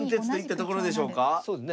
そうですね。